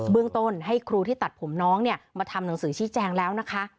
เรื่องต้นให้ครูที่ตัดผมน้องเนี่ยมาทำหนังสือชี้แจงแล้วนะคะ